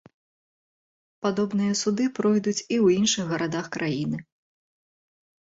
Падобныя суды пройдуць і ў іншых гарадах краіны.